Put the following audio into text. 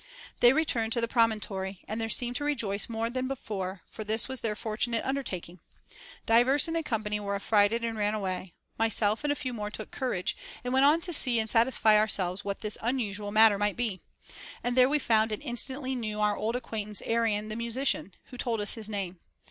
They returned to the promontory, and there seemed to rejoice more than before for this their for tunate undertaking. Divers in the company were affrighted and ran away ; myself and a few more took courage, and went on to see and satisfy ourselves what this unusual mat ter might be ; there we found and instantly knew our old acquaintance Arion the musician, who told us his name.